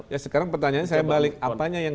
ya sekarang pertanyaannya saya balik apanya yang